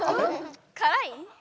・からい？